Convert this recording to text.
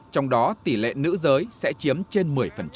trong đó tỷ lệ nữ giới sẽ chiếm trên một mươi